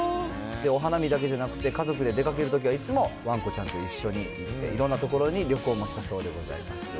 お花見だけじゃなくて、家族で出かけるときは、いつも、わんこちゃんと一緒に行って、いろんな所に旅行もしたそうでございます。